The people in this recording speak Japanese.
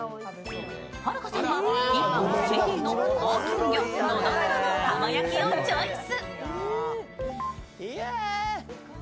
はるかさんは１本１０００円の高級魚、のどぐろの浜焼きをチョイス。